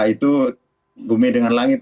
itu bumi dengan langit